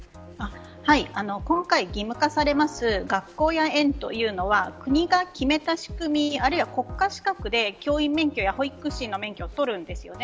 今回義務化されます学校や園というのは国が決めた仕組みあるいは国家資格で教員免許や保育士の免許を取るんですよね。